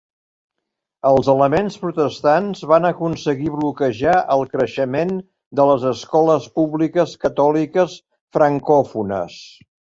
Els elements protestants van aconseguir bloquejar el creixement de les escoles públiques catòliques francòfones.